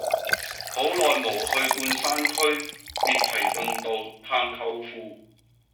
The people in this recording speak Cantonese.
好耐無去半山區列堤頓道探舅父